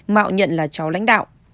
mạo nhận là cháu lãnh đạo